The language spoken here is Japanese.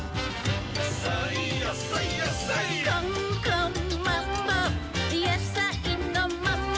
「こんこんマンボやさいのマンボ」